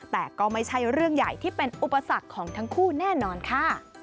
แต่ก็ไม่ใช่เรื่องใหญ่ที่เป็นอุปสรรคของทั้งคู่แน่นอนค่ะ